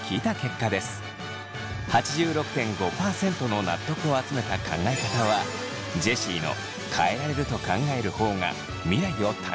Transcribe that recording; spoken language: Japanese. ８６．５％の納得を集めた考え方はジェシーの「変えられると考える方が未来を楽しめるから」。